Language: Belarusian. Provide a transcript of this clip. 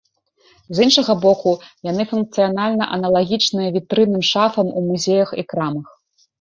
З іншага боку, яны функцыянальна аналагічныя вітрынным шафам у музеях і крамах.